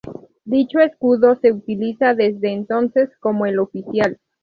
Dicho escudo se utiliza desde entonces como el oficial.